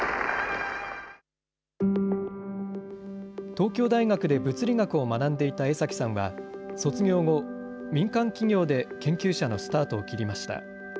東京大学で物理学を学んでいた江崎さんは、卒業後、民間企業で研究者のスタートを切りました。